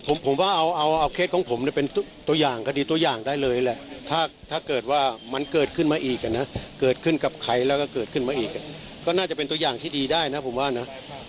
ผมผมว่าเอาเอาเคสของผมเนี่ยเป็นตัวอย่างคดีตัวอย่างได้เลยแหละถ้าเกิดว่ามันเกิดขึ้นมาอีกอ่ะนะเกิดขึ้นกับใครแล้วก็เกิดขึ้นมาอีกก็น่าจะเป็นตัวอย่างที่ดีได้นะผมว่านะ